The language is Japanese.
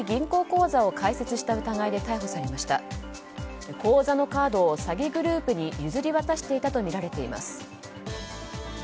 口座のカードを詐欺グループに譲り渡していたとみられています。